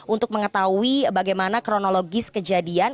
untuk mengetahui bagaimana kronologis kejadian